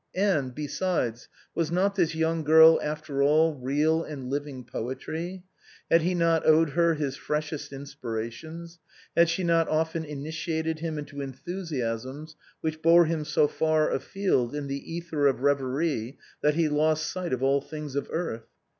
And, be sides, was not this young girl after all real and living poetry, had he not owed her his freshest inspirations, had she not often initiated him into enthusiasms which bore him so far afield in the ether of reverie that he lost sight of all things of earth?